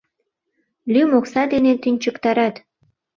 Лӱм окса дене тӱнчыктарат.